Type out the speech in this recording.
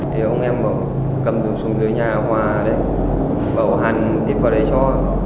thì ông em bảo cầm xuống dưới nhà hoa đấy bảo hàn tiếp vào đấy cho